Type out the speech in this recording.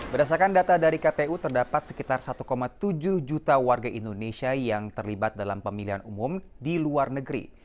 berdasarkan data dari kpu terdapat sekitar satu tujuh juta warga indonesia yang terlibat dalam pemilihan umum di luar negeri